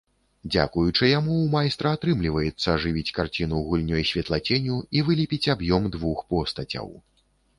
Дзякуючы яму ў майстра атрымліваецца ажывіць карціну гульнёй святлаценю і вылепіць аб'ём двух постацяў.